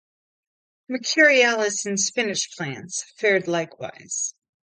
"Mercurialis" and spinach plants fared likewise.